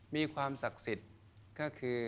มีความศักดิ์สิทธิ์ก็คือ